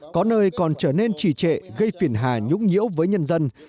có nơi còn trở nên trì trệ gây phiền hà nhũng nhiễu với nhân dân